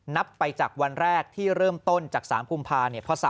นับไปจากวันแรกที่เริ่มต้นจาก๓กุมภา